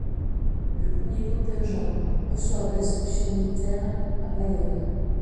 Le premier contingent reçoit l'instruction militaire à Bayonne.